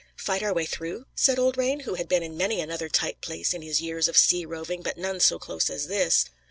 "Fight our way through?" said old Rane, who had been in many another tight place in his years of sea roving, but none so close as this.